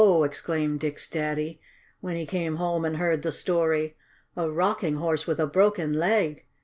exclaimed Dick's Daddy, when he came home and heard the story. "A Rocking Horse with a broken leg!